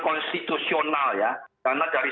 konstitusional ya karena dari